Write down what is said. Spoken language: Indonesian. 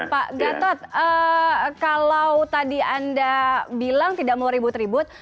pak gatot kalau tadi anda bilang tidak mau ribut ribut